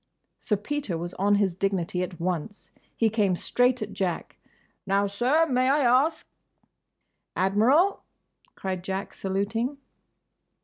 Sir Peter was on his dignity at once. He came straight at Jack. "Now, sir—may I ask—?" "Admiral," cried Jack, saluting.